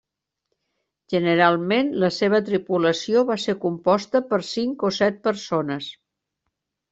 Generalment, la seva tripulació va ser composta per cinc o set persones.